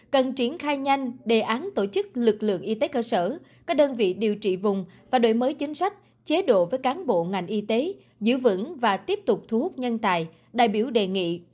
cần triển khai nhanh đề án tổ chức lực lượng y tế cơ sở các đơn vị điều trị vùng và đổi mới chính sách chế độ với cán bộ ngành y tế giữ vững và tiếp tục thu hút nhân tài đại biểu đề nghị